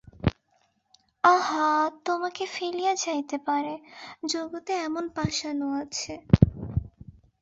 আহা, তোমাকে ফেলিয়া যাইতে পারে, জগতে এমন পাষাণও আছে!